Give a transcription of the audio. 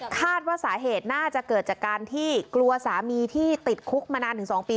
คาดว่าสาเหตุน่าจะเกิดจากการที่กลัวสามีที่ติดคุกมานานถึง๒ปี